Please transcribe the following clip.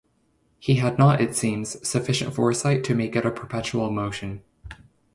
He had not, it seems, sufficient foresight to make it a perpetual motion.